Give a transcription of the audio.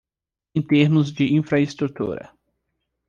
Em termos de infraestrutura